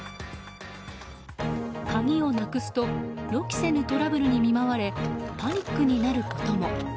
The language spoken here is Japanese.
鍵をなくすと予期せぬトラブルに見舞われパニックになることも。